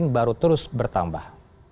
baru terus bertambah